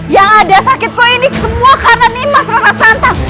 yang ada sakitku ini semua karena ni mas rara santong